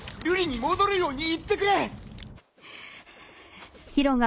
瑠璃に戻るように言ってくれ！